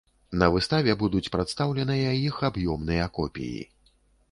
На выставе будуць прадстаўленыя іх аб'ёмныя копіі.